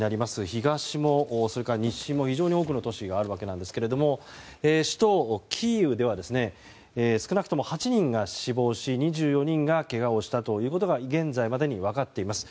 東も西も非常に多くの都市があるわけですが首都キーウでは少なくとも８人が死亡し２４人がけがをしたということが現在までに分かっています。